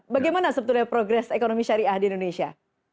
bagaimana sebetulnya progres ekonomi syariah di indonesia